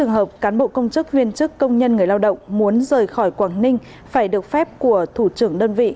nhân chức công nhân người lao động muốn rời khỏi quảng ninh phải được phép của thủ trưởng đơn vị